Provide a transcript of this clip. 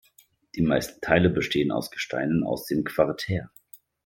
Die meisten Teile bestehen aus Gesteinen aus dem Quartär.